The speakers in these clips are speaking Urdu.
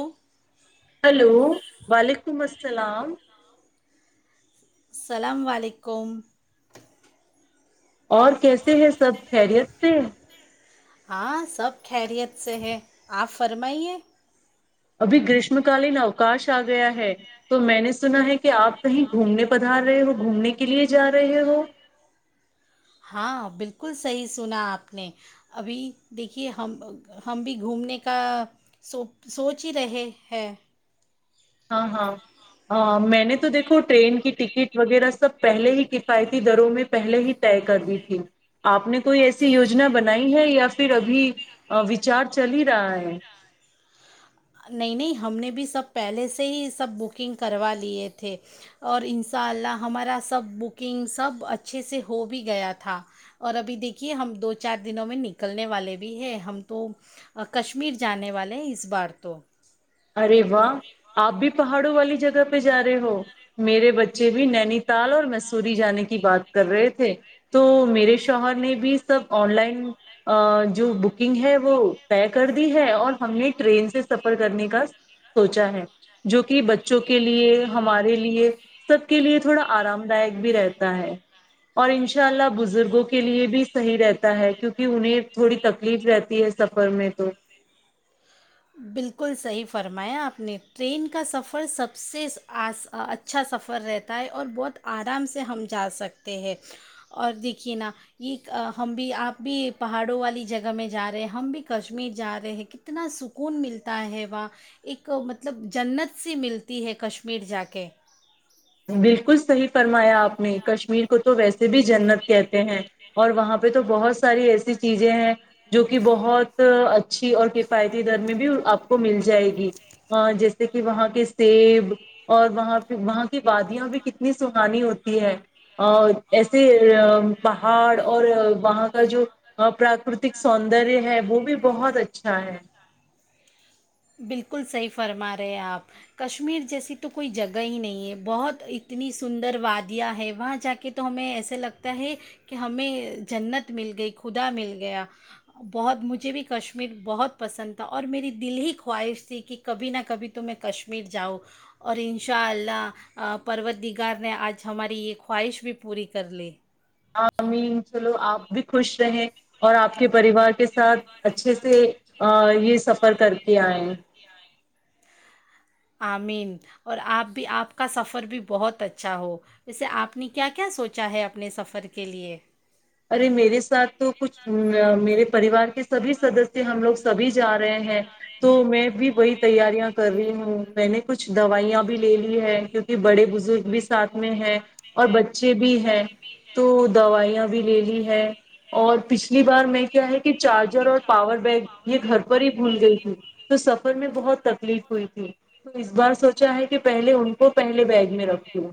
ا ہلو وعلیکم السلام السلام علیکم اور کیسے ہے سب خیریت سے ہاں سب خیریت سے ہے آپ فرمائیے ابھی گریشم کالین اوکاش آ گیا ہے تو میں نے سنا ہے کہ آپ کہیں گھومنے پدھار رہے ہو گھومنے کے لیے جا رہے ہو ہاں بالکل صحیح سنا آپ نے ابھی دیکھیے ہم ہم بھی گھومنے کا سو سوچ ہی رہے ہیں ہاں ہاں میں نے تو دیکھو ٹرین کی ٹکٹ وغیرہ سب پہلے ہی کفایتی دروں میں پہلے ہی طے کر دی تھی آپ نے کوئی ایسی یوجنا بنائی ہے یا پھر ابھی وچار چل ہی رہا ہے نہیں نہیں ہم نے بھی سب پہلے سے ہی سب بکنگ کروا لیے تھے اور ان شاء اللہ ہمارا سب بکنگ سب اچھے سے ہو بھی گیا تھا اور ابھی دیکھیے ہم دو چار دنوں میں نکلنے والے بھی ہیں ہم تو کشمیر جانے والے ہیں اس بار کت ار واہ آپ بھی پہاڑوں والی جگہ پہ جا رہے ہو میرے بچے بھی نینی تال اور مسوری جانے کی بات کر رہے تھے تو میرے شوہر نے بھی سب آن لائن جو بکنگ ہے وہ طے کر دی ہے اور ہم نے ٹرین سے سفر کرنے کا سوچا ہے جو کہ بچوں کے لیے ہمارے لیے سب کے لیے تھوڑا آرام دایک بھی رہتا ہے اور ان شاء اللہ بزرگوں کے لیے بھی صحیح رہتا ہے کیونکہ انہیں تھوڑی تکلیف رہتی ہے سفر میں تو بالکل صحیح فرمایا آپ نے ٹرین کا سفر سب سے اچھا سفر رہتا ہے اور بہت آرام سے ہم جا سکتے ہیں اور دیکھیے نا یہ ہم بھی آپ بھی پہاڑوں والی جگہ میں جا رہے ہیں ہم بھی کشمیر جا رہے ہیں کتنا سک سکون ملتا ہے وہاں ایک مطلب جنت سی ملتی ہے کشمیر جا کے بالکل صحیح سے بھی جنت کہتے ہیں اور وہاں پہ تو بہت ساری ایسی چیزیں ہیں جو کہ بہت اچھی اور کفایتی در میں بھی آپ کو مل جائے گی جیسے کہ وہاں کے سیب اور وہاں پ وہاں وادیاں بھی کتنی سہانی ہوتی ہے ایسے پہاڑ اور وہاں کا جو پر پراکتک سوندر ہے وہ بھی بہت اچھا ہے بالکل صحیح فرما رہے ہیں آپ کشمیر جیسی تو کوئی جگہ ہی نہیں ہے بہت اتنی سندر وادیاں ہے وہاں جا کے تو ہمیں ایسا لگتا ہے کہ ہمیں جنت مل گئی خدا مل گیا بہت مجھے بھی کشمیر بہت پسند تھا اور میری دل ہی خواہش تھی کہ کبھی نہ کبھی تو میں کشمیر جاؤں اور ان شاء اللہ پرت دیگار نے آج ہماری یہ خواہش بھی پوری کر لی مین چلو آپ بھی خوش رہیں اور آپ کے پریوار کے ساتھ اچھے سے یہ سفر کر کے آئے آمین اور آپ بھی آپ کا سفر بھی بہت اچھا ہو اسیسے آپ نے کیا کیا سوچا ہے اپنے سفر کے لیے ارے میرے ساتھ تو کچھ میرے پریوار کے سبھی سدسیہ ہم لوگ سبھی جا رہے ہیں تو میں بھی وہی تیاریاں کر رہی ہوں میں نے کچھ دوائیاں بھی لے لی ہے کیونکہ بڑے بزرگ بھی ساتھ میں ہے اور بچے بھی ہیں تو دوائیاں بھی لے لی ہے اور پچھلی بار میں کیا ہے کہ چارجر اور پاور بیگ یہ گھر پر ہی بھول گئی تھی تو سفر میں بہت تکلیف ہوئی تھی تو اس بار سوچا ہے کہ پہل ان کو پہلے بیگ میں رکھ د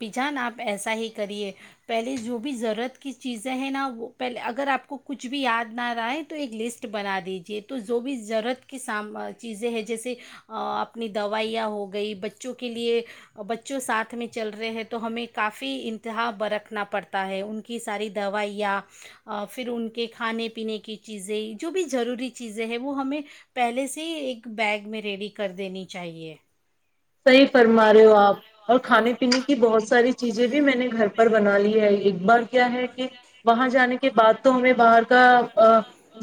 پ جان آپ ایسا ہی کریے پہلے جو بھی ضرورت کی چیزیں ہیں نا وہ پہلے اگر آپ کو کچھ بھی یاد نہ رہائےیں تو ایک لسٹ بنا دیجیے تو جو بھی ضرورت کی سام چیزیں ہیں جیسے اپنی دوائیاں ہو گئی بچوں کے لیے بچوں ساتھ میں چل رہے ہیں تو ہمیں کافی انتہا برکھنا پڑتا ہے ان کی ساری دوائیاں پھر ان کے کھانے پینے کی چیزیں جو بھی ضروری چیزیں ہیں وہ ہمیں پہلے سے ہی ایک بیگ میں ریڈی کر دینی چاہیے صحیح فرما رہے ہو آپ اور کھانے پنی کی بہت ساری چیزیں بھی میں نے گھر پر بنا لی ہے ایک بار کیا ہے کہ وہاں جانے کے کے بع تو ہمیں باہر کا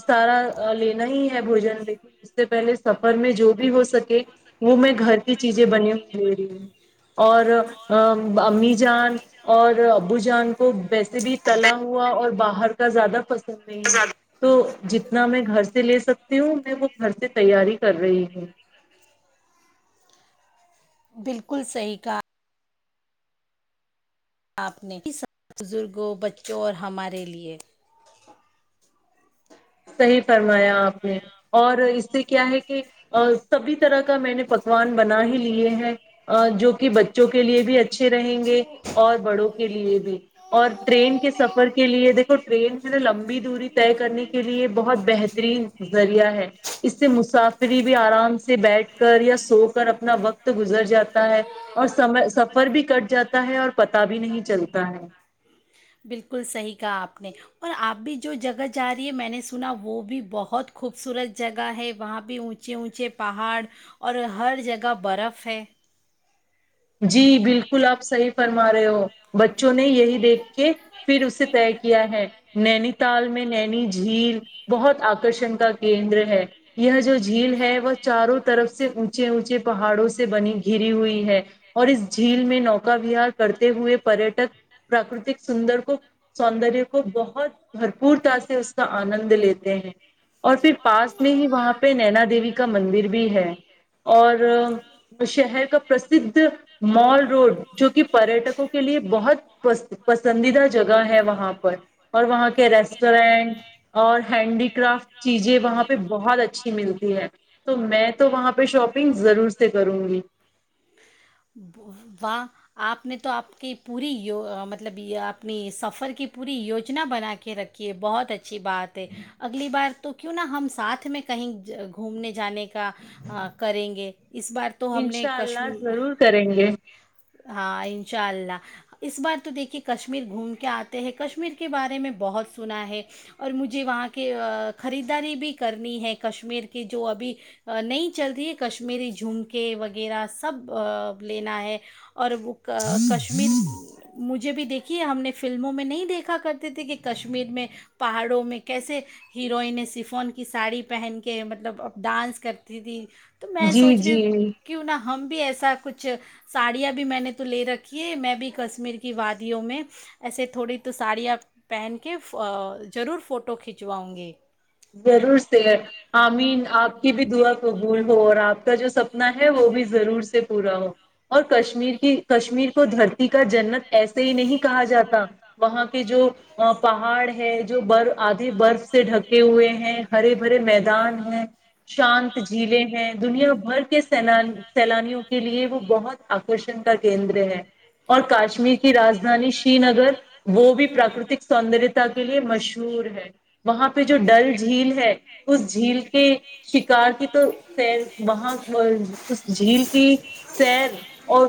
سارا لینا ہی ہے بوجن بھی اس سے پہلے سفر میں جو بھی ہو سکے وہ میں گھر کی چیزیں بنی ہوئی لے رہی ہوں اور امی جان اور ابو جان کو ویسے بھی تلا ہوا اور باہر زیادہ پ نہیں ہے تو جتنا میں گھر سے لے سکتی ہوں میں وہ گھر سے تیاری کر رہی ہوں بالکل صحی کا آپ نے ک بزرگوں بچوں اور ہمارے لیئے صحیح فرمایا آپ نے اور اس سے کیا ہے کہ سبھی طرح کا میں نے پکوان بنا ہی لیے ہیں جو کہ بچوں کے لیے بھی اچا اچھے رہیں گے اور بڑوں کے لیے بھی اور ٹرین کے سفر کے لیے دیکھو ٹرین جو نا لمبی دوری طے کرنے کی کے لیے بہت بہترین ذریعہ ہے اس سے مسافری بھی آرام سے بیٹھ کر یا سو کر اپنا وقت گزر جاتا ہے اور سم سفر بھی کٹ جاتا ہے اور پت بھی نہیں چلتا ہے بالکل صحیح کہا آپ نے اور آپ بھی جو جگہ جا رہی ہے میں نے سنا وہ بھی بہت خوبصورت جگہ ہے وہاں بھیہ اونچے اونچے پہاڑ اور ہر جگہ برف ہے جی بالکل آپ صحیح فرما رہے ہو بچوں نے یہی دیکھ کے پھر اسے طے کیا ہے نینی تال میں نینی جھیل بہت آکرشن کا کیندر ہے یہ جو جھیل ہے وہ چاروں طرف سے اونچے اونچے پہاڑوں سے بنی گھری ہوئی ہے اور اس جھیل میں نوکا وہار کرتے تے ہوئے پریٹک پراکرتک سندر کو سوندر کو بہت بھرپورتا سے اس کا آنند لیتے ہیں اور پھر پاس میں ہی وہاں پہ نینا دیوی کا مندر بھی ہے اور شہر کا پرسھ روڈ جو کہ پریٹکوں کو کے لیے بہت پ پسندیدہ جگہ ہے وہاں پر اور وہاں کے ریسٹورینٹ اور ہینڈی کرافٹ چیزیں وہاں پہ بہت اچھی ملتی ہے تو میں تو وہاں پہ شاپنگ ضرور سے کروں گی واہ آپ نے تو آپ کی پوری یو مطلب یہ اپنی سفر کی پوری یوجنا بنا کے رکھی ہے بہت اچھی بات ہے اگلی بار تو کیوں نہ ہم ساتھ میں کہیں گھومنے جانے کا کریں گے اس بار تو ہم نے انشاء کشم اللہ ضرور کریں گے ہاں انشاء اللہ اس بار تو دیکھیے کشمیر گھوم کے آتے ہیں کشمیر کے بارے میں بہت سنا ہے اور مجھے وہاں کے خریداری بھی کرنی ہے کشمیر کی جو ابھی نہیں چل رہی ہے کشمیری جھومکے وغیرہ سب لینا ہے اور وہ کشمیر مجھے بھی دیکھیے ہم نے فلموں میں نہیں دیکھا کرتے تھے کہ کشمیر میں پہاڑوں میں کیسے ہیروئن سفون کی ساڑی پہن کے مطلب اب ڈانس کرتی تھی تو میں جی سوچ رہی ہوں جی کیوں نہ ہم بھی ایسا کچھ ساڑیاں بھی میں نے تو لے رکھی ہے میں بھی ک کشمیر کی وادیوں میں ایسے تھوڑی تو ساڑیاں پہن کے ضرور فوٹو کھنچواؤں گی ضرور سے آمین آپ کی بھی دعا قبول ہو اور آپ کا جو سب اتنا ہے وہ بھی ضرور سے پورا ہو اور کشمیر کی کشمیر کو دھرتی کا جنت ایسے ہی نہیں کہا جاتا وہاں کے جو پہاڑ ہے جو بر آدھی برف سے ڈھکے ہوئے ہیں ہیں ہرے بھرے میدان ہیں شانت جھیلیں ہیں دنیا بھر کے س سیلانیوں کے لیے وہ بہت آکرشن کا کیندر ہے اور کاشمیر کے رجدھانی شری نگر وہ بھی پراکرتک سوندرتا کے لیے مشہور ہے وہاں پہ جو ڈل جھیل ہے اس جھیل کے شکار کی تو سیر وہاں اس جھیل کی سیر اور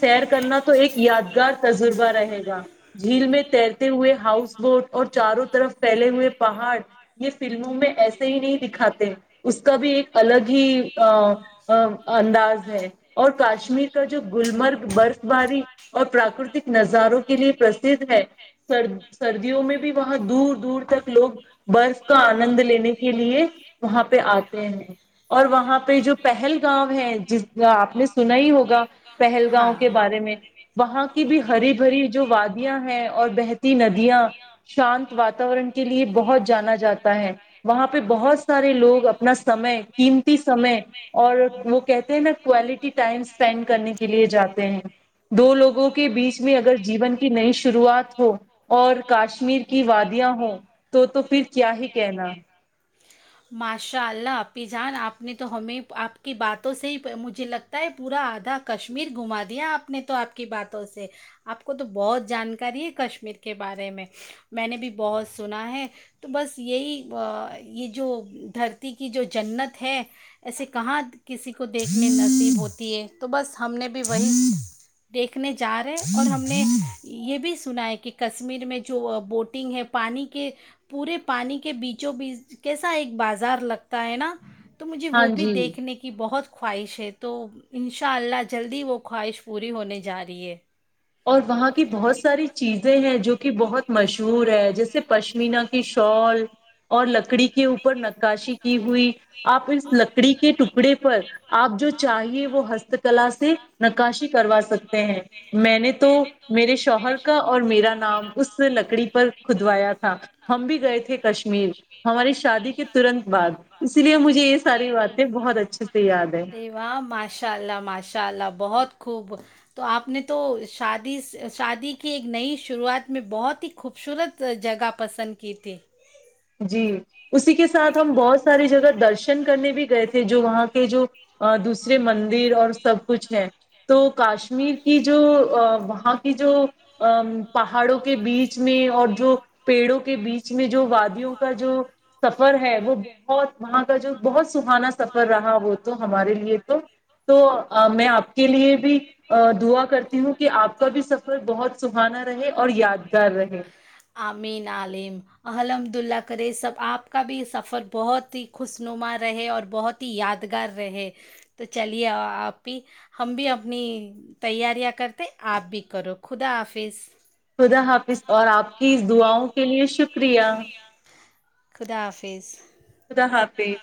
سیر کرنا تو ایک یادگار تجربہ رہے گا جھیل میں تیرتے ہوئے ہاؤس بوٹ اور چاروں طرف پھیلے ہوئے پہاڑ یہ فلموں میں ایسے ہی نہیں دکھاتے اس کا بھی ایک الگ ہی انداز ہے اور کاشمیر کا جو گللمرگ برف باری اور پراکرتک نظاروں کے لیے پرسدھ ہے سر سردیوں میں بھی وہاں دور دور تک لوگ برف کا آنند لینے کے لیے وہاں پہ آتے ہیں اور وہاں پہ جو پہل گاؤں ہے جس آپ نے سنا ہی ہوگا پہل گاؤں کے بارے میں وہاں کی بھی ہری بھری جو وادیاں ہیں اور بہتی ندیاں شانت واتاورن کے لیے بہت جانا جاتا ہے وہاں پہ بہت سارے لوگ اپنا سمے قیمتی سمے اور وہ کہتے ہیں نا کوالٹی ٹائم اسپینڈ کرنے کے لیے جاتے ہیں دو لوگ لوگوں کے بیچ میں اگر جیون کی نئی شروعات ہو اور کاشمیر کی وادیاں ہوں تو تو پھر کیا ہی کہنا ماشاء اللہ اپی جان آپ نے تو ہمیں آپ کی باتوں سے ہی مجھے لگتا ہے پورا آدھا کشمیر گھما دیا آپ نے تو آپ کی باتوں سے آپ کو تو بہت جانکاری ہے کشمیر کے بارے میں میں نے بھی بہت سنا ہے تو بس یہی یہ جو دھرتی کی جو جنت ہے ایسے کہاں کسی کو دیکھنے نصیب ہوتی ہے تو بس ہم نے بھی وہی دیکھنے جا رہے ہیں اور ہم نے یہ بھی سنا ہے کہ کشمیر میں جو بوٹنگ ہے پانی کے پورے پانی کے بیچوں بیچ کیسا ایک بازار لگتا ہے نا تو مجھے ہاں وہ بھی جی دیکھنے کی بہت خواہش ہے تو ان شاء اللہ جلدی وہ خواہش پوری ہونے جاریے اور وہاں کی بہت ساری چیزیں ہیں جو کہ بہت مشہور ہے جیسے پشمین کی شال اور لکڑی کے اوپر ناشی کی ہوئی آپ اس لک لکڑی کے ٹکڑے پر آپ جو چاہیے وہ ہست کلا سے نکاشی کروا سکتے ہیں میں نے تو مے شوہر کا اور میرا نام اس لکڑی پر کدوایا تھا ہم بھی گئے تھے کشمیر ہماری شادی کے تنت بعد اس لیے مجھ یہ س ا واہ ماشاء اللہ ماشاء اللہ بہت خوب تو آپ نے تو شادی شادی کی ایک نئی شروعات میں بہت ہی خوبصورت جگہ پسند کی تھی جی اسی کے ساتھ ہم بہت ساری جگہ درشن کرنے بھی گئے تھے جو وہاں کے جو دوسرے مندر اور سب کچھ ہے تو کاشمیر کی جو وہاں کی جو پہاڑوں کے بیچ میں اور جو پیڑوں کے بیچ میں جو و کا جو سفر ہے وہ بہت وہاں کا جو بہت سہانا سفر رہا وہ تو ہمارے لیے تو تو میں آپ کے لیے بھی دعا کرتی ہوں کہ آپ کا بھی سفر بہت سہانا رہے اور یادگار رہے عبداللہ کری سب آپ کا بھی یہ سفر بہت ہی خوشنما رہے اور بہت ہی یادگار رہے تو چلیے آپ بھی ہم بھی اپنی تیاریاں کرتے آپ بھی کرو خدا حافظ خدا حافظ اور آپ کی اس دعاؤں کے لیے شکریہ خدا حافظ اسیس